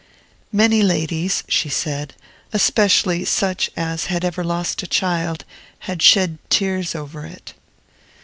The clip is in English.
"Many ladies," she said, "especially such as had ever lost a child, had shed tears over it."